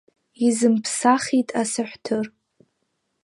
Изымԥсахит асаҳәҭыр…